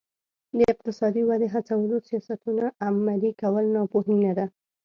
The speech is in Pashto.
د اقتصادي ودې هڅولو سیاستونه عملي کول ناپوهي نه ده.